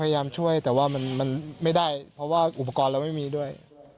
พยายามช่วยแต่ว่ามันไม่ได้เพราะว่าอุปกรณ์เราไม่มีด้วย